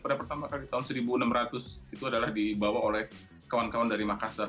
pada pertama kali tahun seribu enam ratus itu adalah dibawa oleh kawan kawan dari makassar